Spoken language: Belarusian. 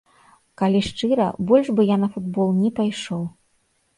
Калі шчыра, больш бы я на футбол не пайшоў.